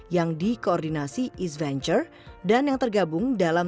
yang dikoordinasi east venture dan yang tergabung dalam